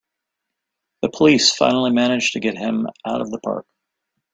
The police finally manage to get him out of the park!